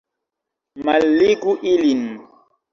Malligu ilin!